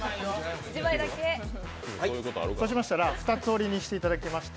そうしましたら２つ折りにしていただきまして。